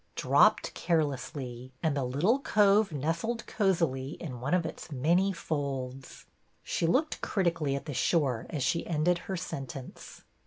dropped carelessly, and the little cove nestled cosily in one of its many folds." She looked critically at the shore as she ended her sentence.